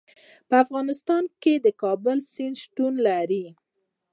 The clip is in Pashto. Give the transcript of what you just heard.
په افغانستان کې د کابل سیند شتون لري.